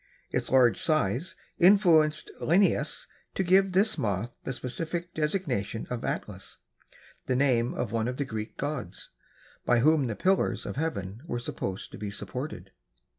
Its large size influenced Linnaeus to give this moth the specific designation of Atlas, the name of one of the Greek gods, by whom the pillars of heaven were supposed to be supported.